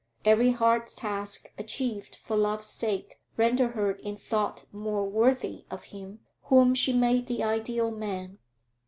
Every hard task achieved for love's sake rendered her in thought more worthy of him whom she made the ideal man.